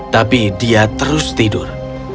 tapi dia terus tidur